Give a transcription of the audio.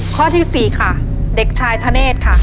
ข้อที่๔ค่ะเด็กชายธเนธค่ะ